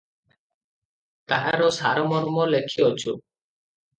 ତାହାର ସାରମର୍ମ ଲେଖିଅଛୁ ।